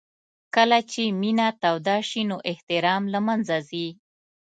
کله چې مینه توده شي نو احترام له منځه ځي.